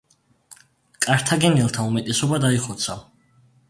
კართაგენელთა უმეტესობა დაიხოცა.